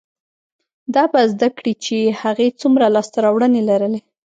دا به زده کړي چې هغې څومره لاسته راوړنې لرلې،